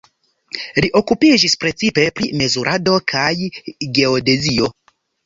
Li okupiĝis precipe pri mezurado kaj geodezio.